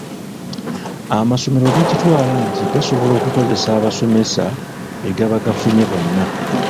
Amasomero gakitwala nti gasobola okukozesa abasomesa be gaba gafunye bonna.